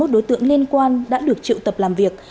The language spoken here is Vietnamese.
ba mươi một đối tượng liên quan đã được triệu tập làm việc